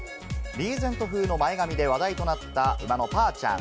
リーゼント風の前髪で話題となった馬のパーちゃん。